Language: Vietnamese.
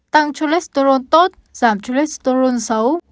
tăng cholesterol tốt giảm cholesterol xấu